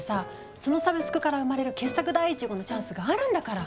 そのサブスクから生まれる傑作第１号のチャンスあるんだから。